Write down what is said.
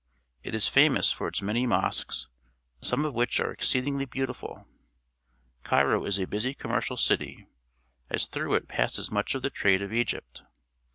It is famous for its many mosques, some of which are ex ceedingly beautiful. . Cairo is a busy com mercial city, as through it passes much of 232 PUBLIC SCHOOL GEOGRAPHY the trade of Egj^pt.